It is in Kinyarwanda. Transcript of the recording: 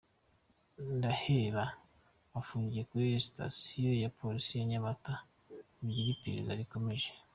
Ndahera afungiye kuri sitasiyo ya polisi ya Nyamata mugihe iperereza rigikomeje.